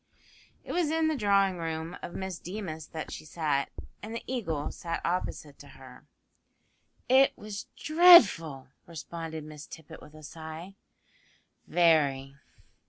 It was in the drawing room of Miss Deemas that she sat, and the Eagle sat opposite to her. "It was very dreadful," responded Miss Tippet with a sigh "very."